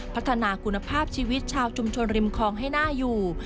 พัฒนาคุณภาพชีวิตชาวชุมชนริมคลองให้น่าอยู่